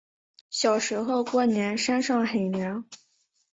小时候过年山上很凉